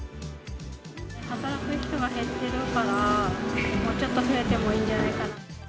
働く人が減ってるから、もうちょっと増えてもいいんじゃないかなと。